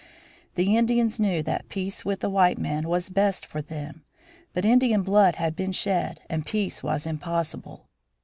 The Indians knew that peace with the white man was best for them. But Indian blood had been shed and peace was impossible.